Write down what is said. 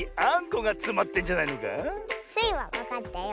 スイはわかったよ。